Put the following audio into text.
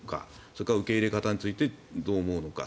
それから受け入れ方についてどう思うのか。